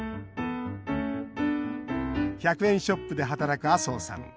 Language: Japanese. １００円ショップで働く麻生さん。